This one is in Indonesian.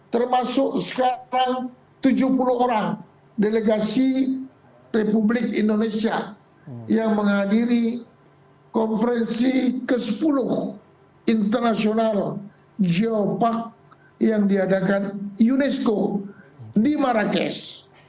termasuk sekarang tujuh puluh orang delegasi republik indonesia yang menghadiri konferensi ke sepuluh internasional geopark yang diadakan unesco di marrakesh